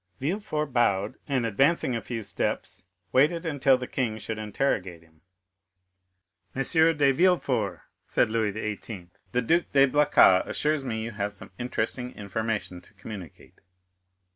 Villefort bowed, and advancing a few steps, waited until the king should interrogate him. "M. de Villefort," said Louis XVIII., "the Duc de Blacas assures me you have some interesting information to communicate."